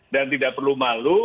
dan tidak perlu malu